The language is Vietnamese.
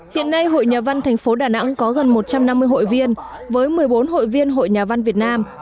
hiện nay hội nhà văn tp đà nẵng có gần một trăm năm mươi hội viên với một mươi bốn hội viên hội nhà văn việt nam